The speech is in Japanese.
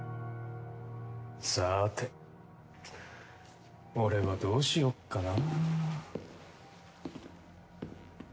さて俺はどうしよっかな。